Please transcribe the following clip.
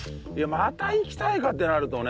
また行きたいかってなるとね。